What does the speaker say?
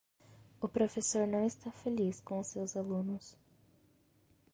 O professor não está feliz com seus alunos.